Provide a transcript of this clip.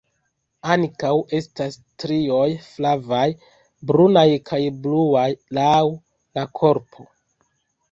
Ankaŭ estas strioj flavaj, brunaj kaj bluaj laŭ la korpo.